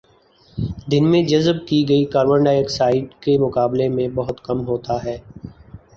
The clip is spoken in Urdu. دن میں جذب کی گئی کاربن ڈائی آکسائیڈ کے مقابلے میں بہت کم ہوتا ہے